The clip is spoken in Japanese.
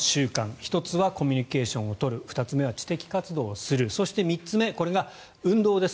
１つはコミュニケーションを取る２つ目は知的活動をするそして、３つ目これが運動です。